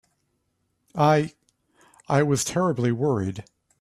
I—I was terribly worried.